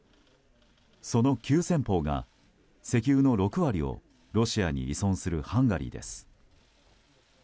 その急先鋒が石油の６割をロシアに依存するハンガリーです。